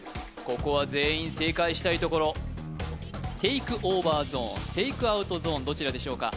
ここは全員正解したいところテイク・オーバー・ゾーンテイク・アウト・ゾーンどちらでしょうか？